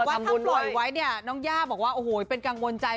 ว่าถ้าปล่อยไว้เนี่ยน้องย่าบอกว่าโอ้โหเป็นกังวลใจ